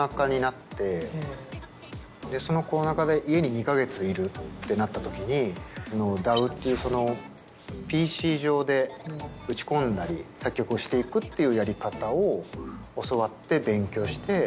そのコロナ禍で。ってなったときにＤＡＷっていうＰＣ上で打ち込んだり作曲をしていくっていうやり方を教わって勉強して。